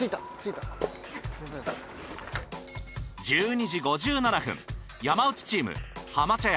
１２時５７分山内チーム浜茶屋